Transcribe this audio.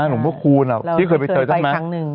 หนุ่มพระคุณอ่ะที่เคยไปเจอท่านมั้ยเราเคยไปครั้งหนึ่ง